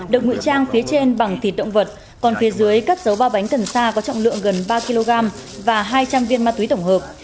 được ngụy trang phía trên bằng thịt động vật còn phía dưới cất dấu ba bánh cần sa có trọng lượng gần ba kg và hai trăm linh viên ma túy tổng hợp